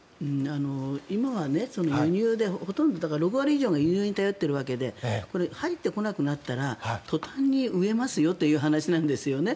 今は輸入でほとんど、６割以上が輸入に頼っているわけで入ってこなくなったら途端に飢えますよという話なんですよね。